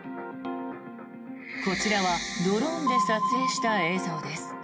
こちらはドローンで撮影した映像です。